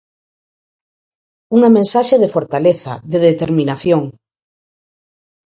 Unha mensaxe de fortaleza, de determinación...